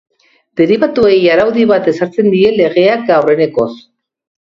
Deribatuei araudi bat ezartzen die legeak aurrenekoz.